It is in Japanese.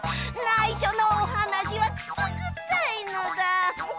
ないしょのおはなしはくすぐったいのだ。